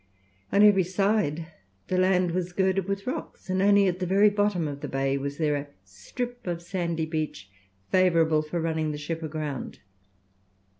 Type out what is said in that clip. On every side the land was girded with rocks, and only at the very bottom of the bay was there a strip of sandy beach favourable for running the ship aground.